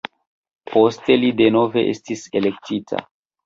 Poste li denove estis elektita.